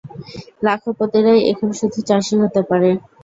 লাখপতিরাই এখন শুধু চাষী হতে পারে।